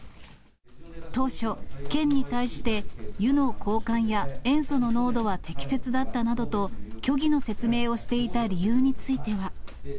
当初、県に対して、湯の交換や塩素の濃度は適切だったなどと、虚偽の説明をしていた理由については。